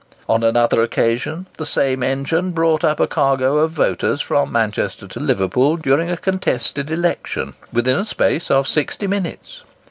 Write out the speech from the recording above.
On another occasion, the same engine brought up a cargo of voters from Manchester to Liverpool, during a contested election, within a space of sixty minutes!